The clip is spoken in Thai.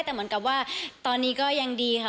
แต่เหมือนกับว่าตอนนี้ก็ยังดีค่ะ